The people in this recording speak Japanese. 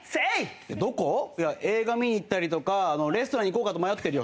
映画見に行ったりとかレストラン行こうかと迷ってるよ